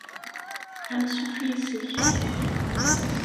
Ansuf yis-k.